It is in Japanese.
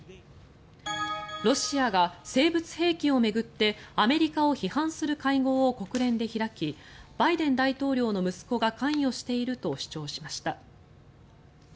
ロシアが生物兵器を巡ってアメリカを批判する会合を国連で開きバイデン大統領の息子が関与していると主張しました。